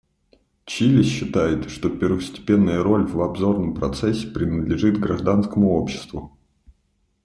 Чили считает, что первостепенная роль в обзорном процессе принадлежит гражданскому обществу.